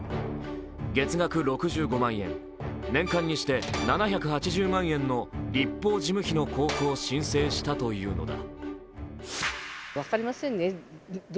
月額６５万円、年間にして７８０万円の立法事務費の交付を申請したというのだ。